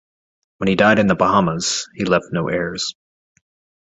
When he died in the Bahamas, he left no heirs.